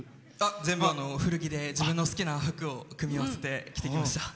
全部、古着で自分の好きな服を組み合わせて着てきました。